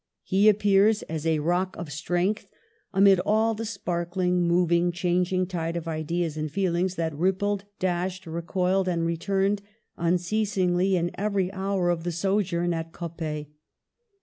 He appears as a rock of strength amid all tlie sparkling, moving, changing tide of ideas and feelings that rippled, dashed, recoiled, and returned unceasingly in every hour of the sojourn at Coppet.